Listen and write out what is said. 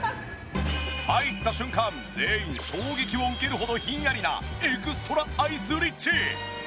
入った瞬間全員衝撃を受けるほどひんやりなエクストラアイスリッチ！